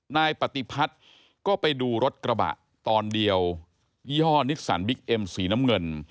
นายปฏิพัฒน์ก็ไปดูรถกระบะตอนเดียวยี่ห้อนิสสันบิ๊กเอ็มสีน้ำเงิน